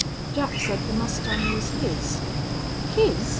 Jack said the mustang was his " "His?"